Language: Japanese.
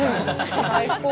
最高。